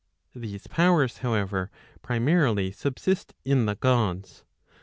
These powers however primarily subsist in the Gods.